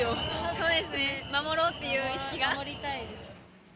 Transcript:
そうですね、守ろうっていう守りたいです。